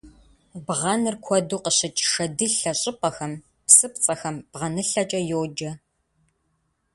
Бгъэныр куэду къыщыкӏ шэдылъэ щӏыпӏэхэм, псыпцӏэхэм бгъэнылъэкӏэ йоджэ.